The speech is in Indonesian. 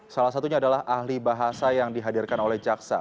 salah satunya adalah ahli bahasa yang dihadirkan oleh jaksa